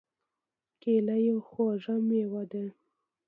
کېله یو خوږ مېوه ده.